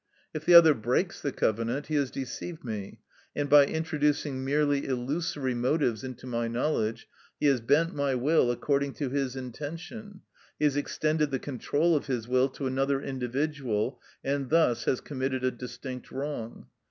If the other breaks the covenant, he has deceived me, and by introducing merely illusory motives into my knowledge, he has bent my will according to his intention; he has extended the control of his will to another individual, and thus has committed a distinct wrong.